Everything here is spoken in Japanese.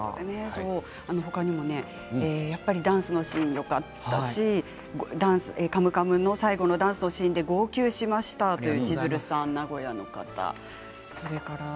他にも、ダンスのシーンよかったし「カムカム」の最後のダンスのシーンで号泣しましたと名古屋の方からきています。